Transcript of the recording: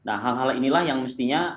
oke terima kasih